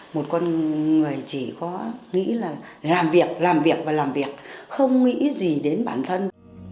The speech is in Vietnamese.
một con người chỉ có nghĩ là làm việc làm việc và làm việc không nghĩ gì đến bản thân